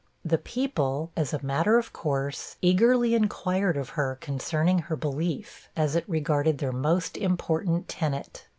The people, as a matter of course, eagerly inquired of her concerning her belief, as it regarded their most important tenet.